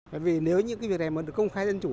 bởi vì nếu những cái việc này mà được công khai dân chủ